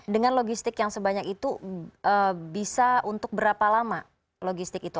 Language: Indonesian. dengan logistik yang sebanyak itu bisa untuk berapa lama logistik itu